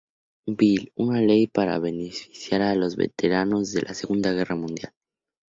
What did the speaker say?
Bill una ley para beneficiar a los veteranos de la Segunda Guerra Mundial.